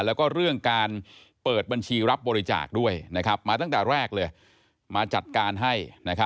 แล้วก็เรื่องการเปิดบัญชีรับบริจาคด้วยมาตั้งแต่แรกเลยมาจัดการให้